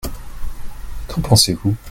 Qu'en pensez-vous ?